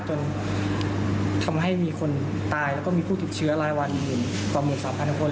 จนทำให้มีคนตายและมีผู้ถูกเชื้อรายวาลอยู่กว่าหมื่นสามพันคน